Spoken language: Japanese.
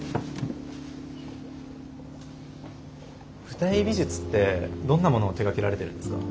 舞台美術ってどんなものを手がけられてるんですか？